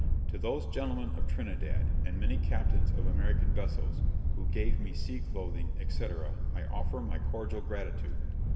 To those gentlemen of Trinidad, and many captains of American vessels, who gave me sea clothing, &c., I offer my cordial gratitude.